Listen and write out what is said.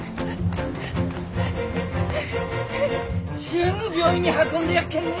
すぐ病院に運んでやっけんね。